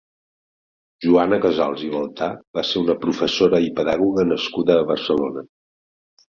Joana Casals i Baltà va ser una professora i pedagoga nascuda a Barcelona.